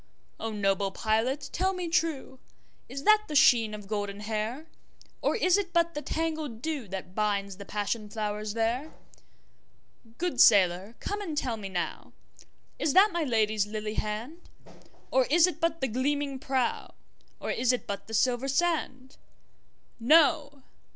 O noble pilot tell me trueIs that the sheen of golden hair? Or is it but the tangled dewThat binds the passion flowers there? Good sailor come and tell me nowIs that my Lady's lily hand? Or is it but the gleaming prow, Or is it but the silver sand? No!